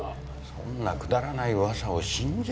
そんなくだらない噂を信じるんですか？